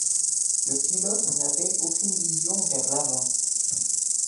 Le pilote n'avait aucune vision vers l'avant.